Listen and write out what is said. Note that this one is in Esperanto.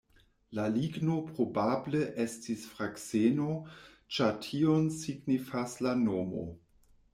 La ligno probable estis frakseno, ĉar tion signifas la nomo.